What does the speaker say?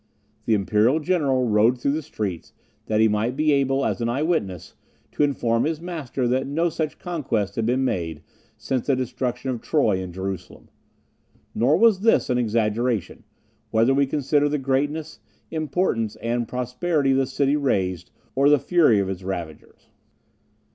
The imperial general rode through the streets, that he might be able, as an eyewitness, to inform his master that no such conquest had been made since the destruction of Troy and Jerusalem. Nor was this an exaggeration, whether we consider the greatness, importance, and prosperity of the city razed, or the fury of its ravagers.